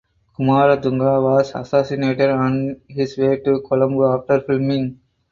Kumaratunga was assassinated on his way to Colombo after filming.